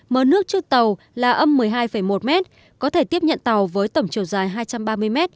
mớ nước trước tàu là âm một mươi hai một m có thể tiếp nhận tàu với tổng chiều dài hai trăm ba mươi m